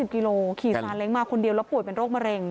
กิโลขี่ซาเล้งมาคนเดียวแล้วป่วยเป็นโรคมะเร็ง